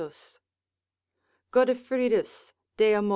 Godefridus de Amor.